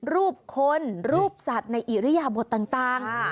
รูปคนรูปสัตว์ในอิริยบทต่าง